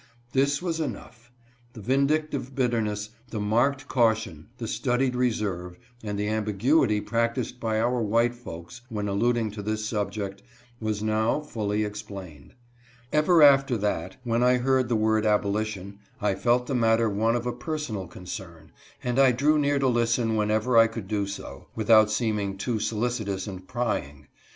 This was enough. The vindic tive bitterness, the marked caution, the studied reserve, and the ambiguity practiced by our white folks when alluding. to this subject, was now fully explained. Ever after that, when I heard the word abolition, I felt the matter one of a personal concern, and I drew near to listen whenever I could do so, without seeming too solici tous and prying.